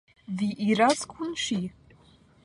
Vi iras kun ŝi.